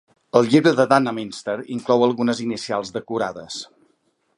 El llibre de Nunnaminster inclou algunes inicials decorades.